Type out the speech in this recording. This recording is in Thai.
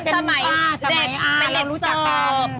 เป็นสมัยอ่าสมัยอ่าเป็นเด็กเสิร์ฟ